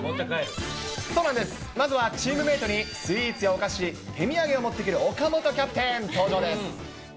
そうなんです、まずはチームメートにスイーツやお菓子、手土産を持ってくる岡本キャプテン、登場です。